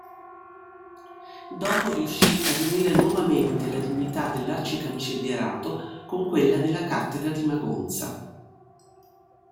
Dopo riuscì a riunire nuovamente la dignità dell'arcicancellierato con quella della cattedra di Magonza.